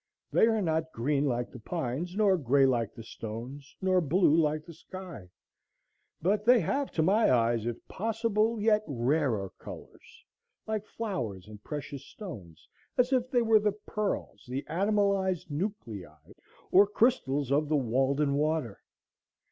They are not green like the pines, nor gray like the stones, nor blue like the sky; but they have, to my eyes, if possible, yet rarer colors, like flowers and precious stones, as if they were the pearls, the animalized nuclei or crystals of the Walden water.